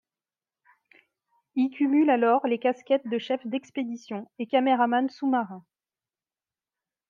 Il cumule alors les casquettes de chef d’expédition et caméraman sous-marin.